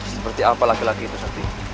seperti apa laki laki itu nanti